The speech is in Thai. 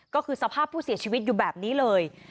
ก็คือสภาพผู้เสียชีวิตอยู่แบบนี้เลย